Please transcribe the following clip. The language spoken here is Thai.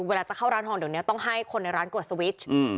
เวลาจะเข้าร้านทองเดี๋ยวนี้ต้องให้คนในร้านกดสวิตช์